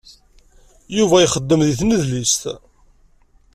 Yuba ixeddem di tnedlist.